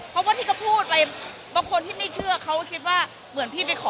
เพราะว่าที่เขาพูดไปบางคนที่ไม่เชื่อเขาก็คิดว่าเหมือนพี่ไปขอ